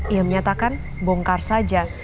ia menyatakan bongkar saja